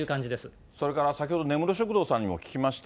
それから先ほど、根室食堂さんにも聞きました。